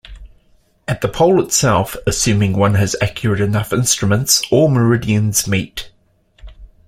At the pole itself, assuming one has accurate enough instruments, all meridians meet.